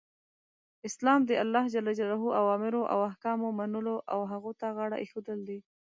اسلام د الله ج اوامرو او احکامو منل او هغو ته غاړه ایښودل دی .